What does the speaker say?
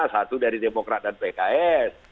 satu dari demokrat dan pks